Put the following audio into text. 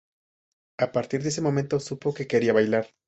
A partir de ese momento supo que quería bailar.